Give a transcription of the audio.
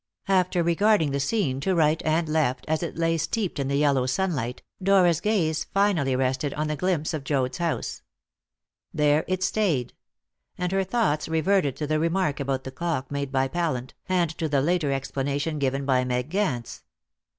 After regarding the scene to right and left, as it lay steeped in the yellow sunlight, Dora's gaze finally rested on the glimpse of Joad's house. There it stayed; and her thoughts reverted to the remark about the clock made by Pallant, and to the later explanation given by Meg Gance.